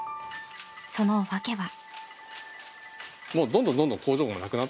その訳は。